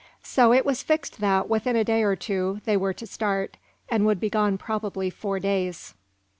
So it was fixed that, within a day or two, they were to start, and would be gone probably four days.